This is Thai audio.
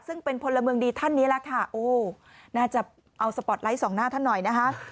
ซึ่งเป็นพลเมืองดีท่านนี้แหละค่ะโอ้น่าจะเอาสปอร์ตไลท์สองหน้าท่านหน่อยนะคะ